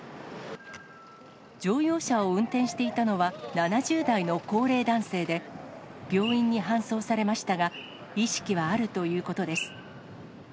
乗用車を運転していたのは、７０代の高齢男性で、病院に搬送されましたが、意識はあるということです。